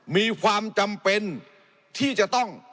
มีความจำเป็นที่จะต้อง